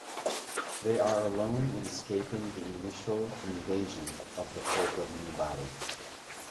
They are alone in escaping the initial invasion of the Port of New Bally.